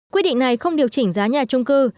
quy định này không điều chỉnh giá nhà trung cư